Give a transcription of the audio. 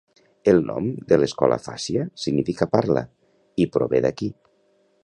El nom de l'escola Fàsia significa "parla" i prové d'aquí.